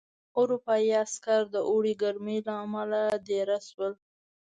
اروپايي عسکر د اوړي ګرمۍ له امله دېره شول.